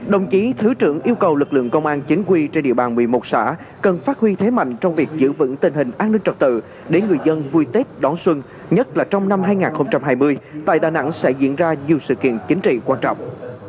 đồng chí thứ trưởng yêu cầu lực lượng công an chính quy trên địa bàn một mươi một xã cần phát huy thế mạnh trong việc giữ vững tình hình an ninh trật tự để người dân vui tết đón xuân nhất là trong năm hai nghìn hai mươi tại đà nẵng sẽ diễn ra nhiều sự kiện chính trị quan trọng